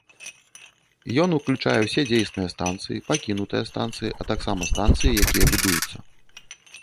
Ён ўключае ўсе дзейсныя станцыі, пакінутыя станцыі, а таксама станцыі, якія будуюцца.